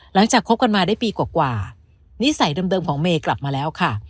หลังจากคบกันมาได้ปีกว่ากว่านิสัยเดิมเดิมของเมย์กลับมาแล้วค่ะ